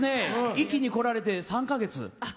壱岐に来られて３か月？